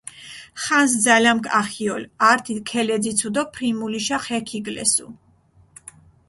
ხანს ძალამქ ახიოლ, ართი ქელეძიცუ დო ფრიმულიშა ხე ქიგლესუ.